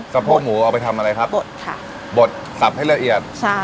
โพกหมูเอาไปทำอะไรครับบดค่ะบดสับให้ละเอียดใช่